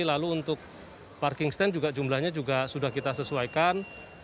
lalu untuk parking stand juga jumlahnya juga sudah kita sesuaikan